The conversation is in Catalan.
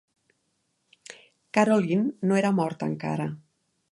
"Carolyn" no era morta encara.